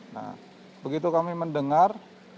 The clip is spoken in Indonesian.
nah begitu kami mendengar